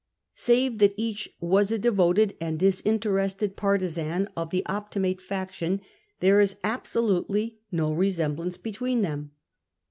Save that each was a devoted and disinterested partisan of the Optimate faction, there is absolutely no resemblance between them.